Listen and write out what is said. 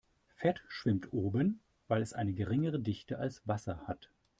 Fett schwimmt oben, weil es eine geringere Dichte als Wasser hat.